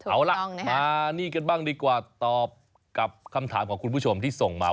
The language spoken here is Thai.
เอาล่ะมานี่กันบ้างดีกว่าตอบกับคำถามของคุณผู้ชมที่ส่งมา